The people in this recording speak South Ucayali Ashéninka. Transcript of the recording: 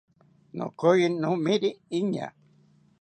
Nokoyi nomiri iñaa